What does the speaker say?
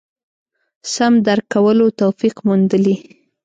سم درک کولو توفیق موندلي.